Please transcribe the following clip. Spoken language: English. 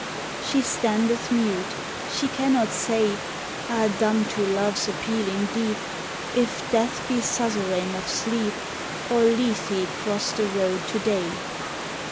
She standeth mute. She cannot say (Ah! dumb to Love's appealing Deep!) If Death be suzerain of Sleep, Or Lethe cross the road to Day.